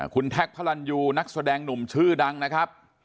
คุณแท็กพระรันยูนักแสดงหนุ่มชื่อดังนะครับ